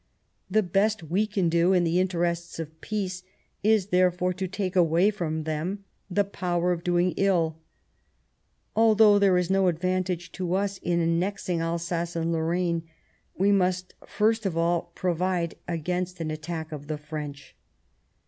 The best we can do in the interests of peace is, therefore, to take away from them the power of doing ill. .., Although there is no advantage to us in annexing Alsace and Lorraine, we must first of all provide against an attack of the French."